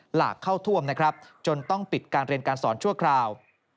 หลากเข้าท่วมนะครับจนต้องปิดการเรียนการสอนชั่วคราว